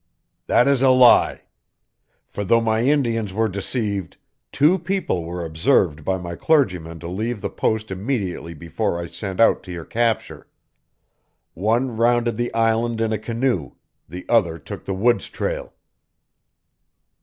"That is a lie. For though my Indians were deceived, two people were observed by my clergyman to leave the Post immediately before I sent out to your capture. One rounded the island in a canoe; the other took the Woods Trail."